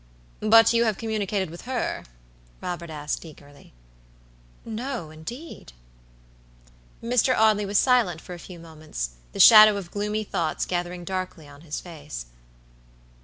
"But you have communicated with her?" Robert asked, eagerly. "No, indeed." Mr. Audley was silent for a few moments, the shadow of gloomy thoughts gathering darkly on his face.